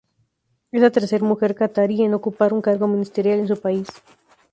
Es la tercer mujer catarí en ocupar un cargo ministerial en su país.